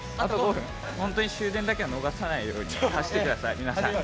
本当に終電だけは逃さないように走ってください、皆さん。